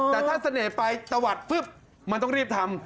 แต่ถ้าเสน่ห์ไปตะวัดปุ๊บมันต้องรีบทำ